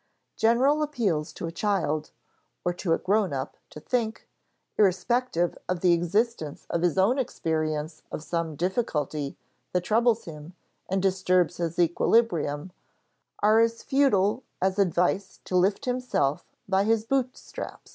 General appeals to a child (or to a grown up) to think, irrespective of the existence in his own experience of some difficulty that troubles him and disturbs his equilibrium, are as futile as advice to lift himself by his boot straps.